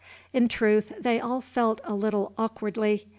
In truth, they all felt a little awkwardly.